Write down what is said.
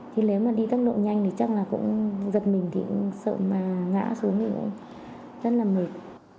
chứ nếu mà đi tốc độ nhanh thì chắc là cũng giật mình thì cũng sợ mà ngã xuống thì cũng rất là mệt